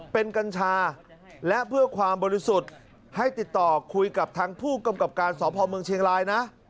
เป็นกัญชาและเพื่อความบริสุทธิ์ให้ติดต่อคุยกับทางผู้กำกับการสพเมืองเชียงรายนะ